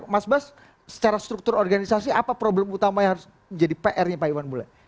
mas bas secara struktur organisasi apa problem utama yang harus menjadi pr nya pak iwan bule